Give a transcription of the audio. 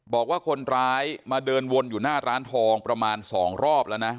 บอกว่าคนร้ายมาเดินวนอยู่หน้าร้านทองประมาณ๒รอบแล้วนะ